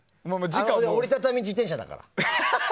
折り畳み自転車だから。